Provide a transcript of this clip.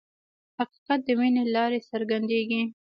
حقیقت د مینې له لارې څرګندېږي.